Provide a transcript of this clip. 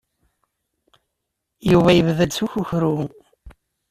Yuba yebda-d s ukukru.